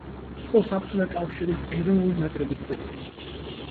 იყო საბჭოთა კავშირის ეროვნული ნაკრების წევრი.